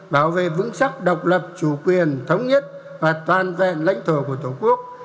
bảo vệ vững chắc độc lập chủ quyền thống nhất và toàn vẹn lãnh thổ của tổ quốc